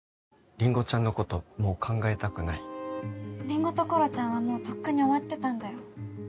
りんごちゃんのこともう考えたくないりんごところちゃんはもうとっくに終わってたんだよ